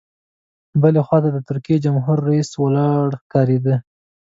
بلې خوا ته د ترکیې جمهور رئیس ولاړ ښکارېد.